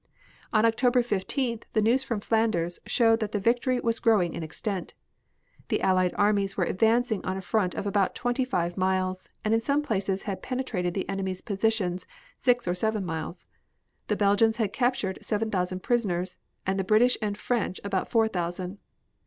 On October 15th the news from Flanders showed that the victory was growing in extent, the Allied armies were advancing on a front of about twenty five miles, and in some places had penetrated the enemy's positions six or seven miles. The Belgians had captured seven thousand prisoners and the British and French about four thousand.